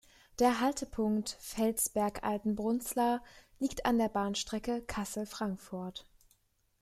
Der Haltepunkt "Felsberg-Altenbrunslar" liegt an der Bahnstrecke Kassel–Frankfurt.